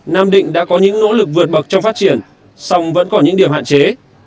nam định đã có những nỗ lực vượt bậc trong phát triển song vẫn còn những điểm hạn chế